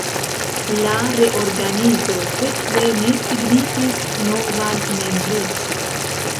La reorganizo sekve ne signifis novan membrecon.